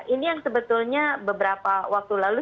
ini yang sebetulnya beberapa waktu lalu